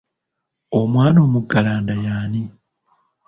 Omwana omuggalanda y'ani?